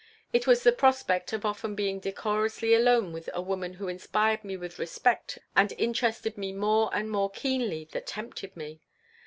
It was the prospect of often being decorously alone with a woman who inspired me with respect and interested me more and more keenly that tempted me.